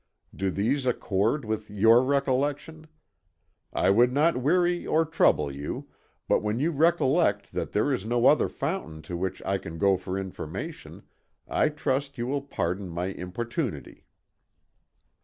Do these accord with your recollection? I would not weary or trouble you, but when you recollect that there is no other fountain to which I can go for information, I trust you will pardon my importunity."